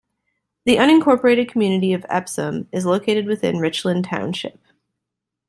The unincorporated community of Epsom is located within Richland Township.